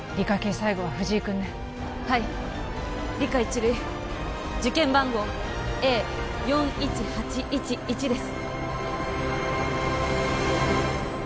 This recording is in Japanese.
最後は藤井君ねはい理科１類受験番号Ａ４１８１１です